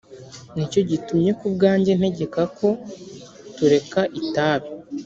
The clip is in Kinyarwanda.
ni cyo gitumye ku bwanjye ntegeka ko tureka itabi.